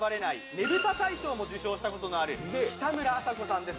ねぶた大賞も受賞したことのある北村麻子さんです。